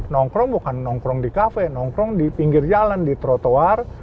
nongkrong bukan nongkrong di kafe nongkrong di pinggir jalan di trotoar